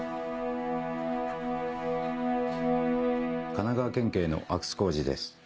神奈川県警の阿久津浩二です。